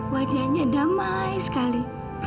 wajahnya damai sekali